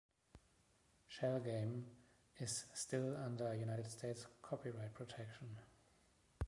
Shell Game is still under United States copyright protection.